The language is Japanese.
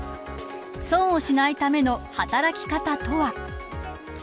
損をしないための働き方とは。